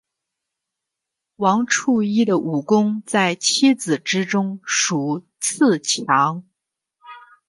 王处一的武功在七子之中数次强。